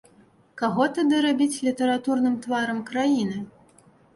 Каго тады рабіць літаратурным тварам краіны?